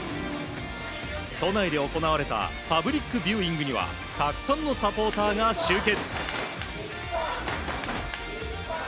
都内で行われたパブリックビューイングにはたくさんのサポーターが集結。